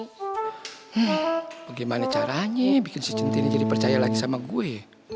hmm bagaimana caranya bikin si centini jadi percaya lagi sama gue